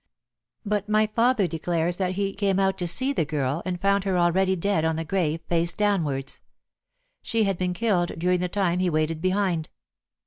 But my father declares that he came out to see the girl, and found her already dead on the grave face downwards. She had been killed during the time he waited behind.